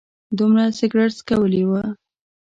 دومره سګرټ څکولي و.